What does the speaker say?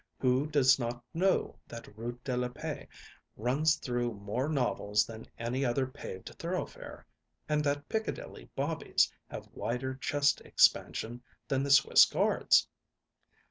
Who does not know that Rue de la Paix runs through more novels than any other paved thoroughfare, and that Piccadilly bobbies have wider chest expansion than the Swiss Guards?